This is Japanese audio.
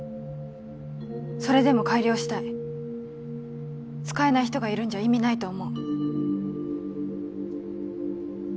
それでも改良したい使えない人がいるんじゃ意味ないと思う